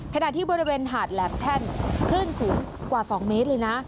ขณะที่บริเวณหาดแหลมแท่นคลื่นสูงกว่า๒เมตรเลยนะ